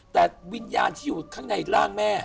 แต่วิญญาณที่อยู่ข้างในร่างแม่